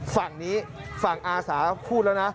ฝั่งนี้ฝั่งอาสาพูดแล้วนะ